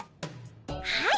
はい！